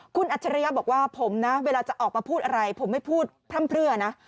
คุณอัจฉริยะบอกว่าผมนะเวลาจะออกมาพูดอะไรผมไม่พูดพร่ำเพลือนะ